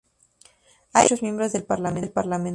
Ahí viven muchos miembros del Parlamento.